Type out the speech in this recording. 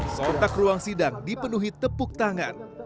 sontak ruang sidang dipenuhi tepuk tangan